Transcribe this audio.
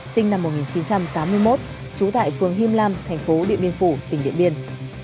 sinh năm một nghìn chín trăm tám mươi một trú tại phường him lam thành phố điện biên phủ tỉnh điện biên